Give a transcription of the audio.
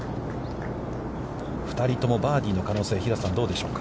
２人ともバーディーの可能性、平瀬さん、どうでしょうか。